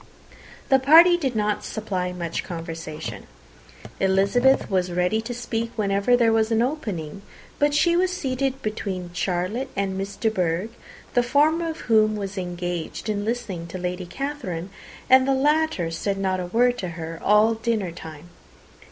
The party did not supply much conversation. Elizabeth was ready to speak whenever there was an opening, but she was seated between Charlotte and Miss de Bourgh the former of whom was engaged in listening to Lady Catherine, and the latter said not a word to her all the dinnertime.